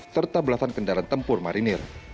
serta belasan kendaraan tempur marinir